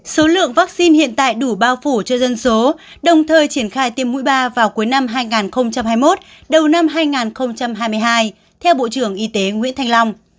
số lượng vaccine hiện tại đủ bao phủ cho dân số đồng thời triển khai tiêm mũi ba vào cuối năm hai nghìn hai mươi một đầu năm hai nghìn hai mươi hai theo bộ trưởng y tế nguyễn thanh long